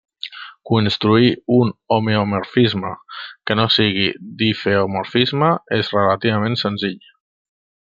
Construir un homeomorfisme que no sigui difeomorfisme és relativament senzill.